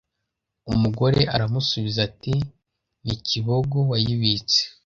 ” umugore aramusubiza ati “ni kibogo wayibitse